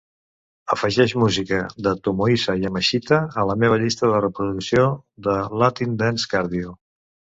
Afegeix música de Tomohisa Yamashita a la meva llista de reproducció de Latin Dance Cardio